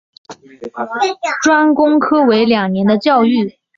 专攻科为两年的教育。